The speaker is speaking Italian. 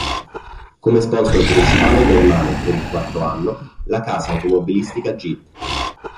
Come sponsor principale permane, per il quarto anno, la casa automobilistica Jeep.